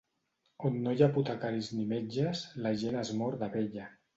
On no hi ha apotecaris ni metges la gent es mor de vella.